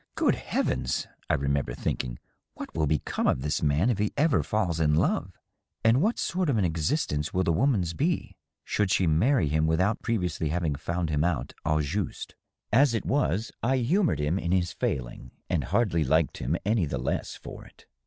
^ Good heavens !' I remem ber thinking, ^ what will become of this man if he ever falls in love ? And wliat sort of an existence will the woman's be, should she marry him without previously having found him out au juste f As it was, I humored him in his failing, and hardly liked him any the less for it.